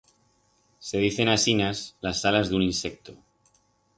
Se dicen asinas las alas d'un insecto.